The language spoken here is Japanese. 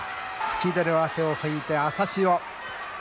噴き出る汗を拭いて朝汐。